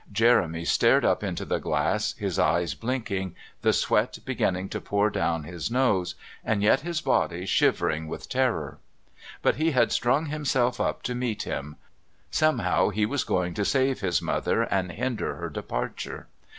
Jeremy stared up into the glass, his eyes blinking, the sweat beginning to pour down his nose, and yet his body shivering with terror. But he had strung himself up to meet Him. Somehow he was going to save his mother and hinder her departure.